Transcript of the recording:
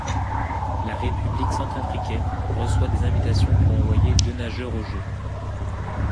La république centrafricaine reçoit des invitations pour envoyer deux nageurs aux Jeux.